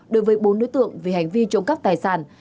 đối với bốn đối tượng vì hành vi trộm cắp tài sản